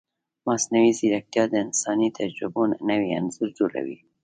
مصنوعي ځیرکتیا د انساني تجربو نوی انځور جوړوي.